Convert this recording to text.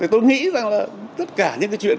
tôi nghĩ rằng là tất cả những chuyện